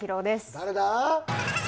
誰だ？